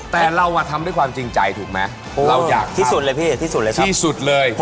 แต่เราทำด้วยความจริงใจที่สุดเลย